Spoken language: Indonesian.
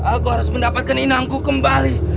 aku harus mendapatkan inangku kembali